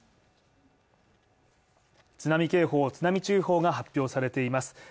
津波警報、津波注意報が発表されています。